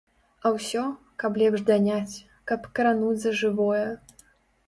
А ўсё, каб лепш даняць, каб крануць за жывое.